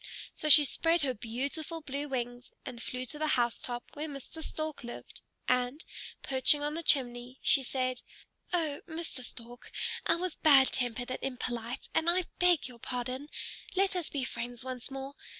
So she spread her beautiful blue wings and flew to the housetop where Mr. Stork lived, and, perching on the chimney, she said, "Oh, Mr. Stork, I was bad tempered and impolite, and I beg your pardon. Let us be friends once more.